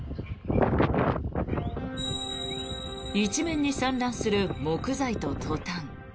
一面に散乱する木材とトタン。